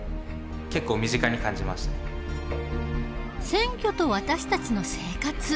選挙と私たちの生活。